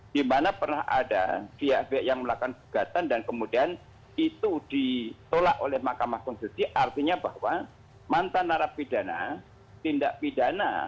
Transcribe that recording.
di mana pernah ada pihak pihak yang melakukan gugatan dan kemudian itu ditolak oleh mahkamah konstitusi artinya bahwa mantan narapidana tindak pidana